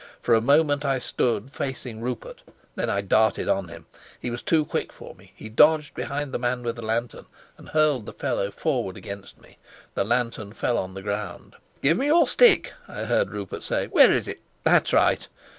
For a moment I stood facing Rupert; then I darted on him. He was too quick for me; he dodged behind the man with the lantern and hurled the fellow forward against me. The lantern fell on the ground. "Give me your stick!" I heard Rupert say. "Where is it? That's right!"